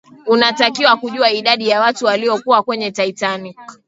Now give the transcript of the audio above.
unatakiwa kujua idadi ya watu waliyokuwa kwenye titanic